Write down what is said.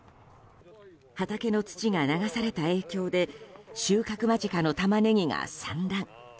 畑の土が流された影響で収穫間近のタマネギが散乱。